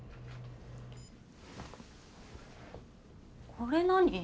これ何？